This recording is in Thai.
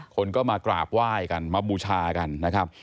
คนก็มากราบไหว้กันมาบูชากันนะครับ